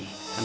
tadi aku mau